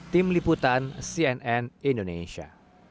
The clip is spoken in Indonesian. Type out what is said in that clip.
tim liputan cnn indonesia